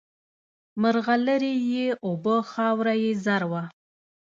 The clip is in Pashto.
مرغلري یې اوبه خاوره یې زر وه